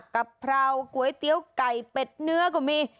กะเพราก๋วยเตี๋ยวไก่เป็ดเนื้อก็มี